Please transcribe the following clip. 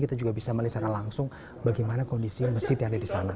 kita juga bisa melihat secara langsung bagaimana kondisi masjid yang ada di sana